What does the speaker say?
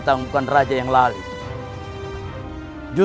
dari raja yang lalu